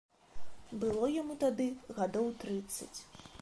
Было яму тады гадоў трыццаць.